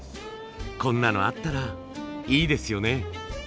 こんなのあったらいいですよね。